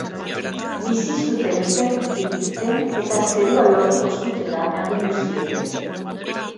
Bizi zuten infernutik irten eta zerua lortuko zutela agindu zieten.